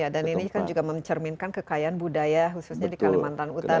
dan ini kan juga mencerminkan kekayaan budaya khususnya di kalimantan utara